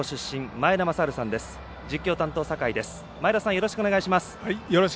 前田さん、よろしくお願いします。